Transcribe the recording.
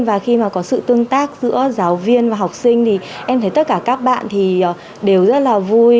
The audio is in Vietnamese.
và khi mà có sự tương tác giữa giáo viên và học sinh thì em thấy tất cả các bạn thì đều rất là vui